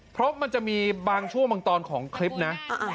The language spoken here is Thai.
เพราะมันจะมีบางช่วงบางตอนของคลิปนะ